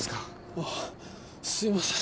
あっすいません